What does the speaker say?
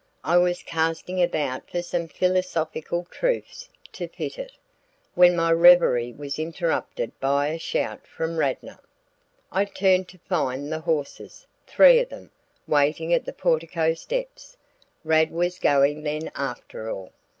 I was casting about for some philosophical truths to fit it, when my revery was interrupted by a shout from Radnor. I turned to find the horses three of them waiting at the portico steps. Rad was going then after all.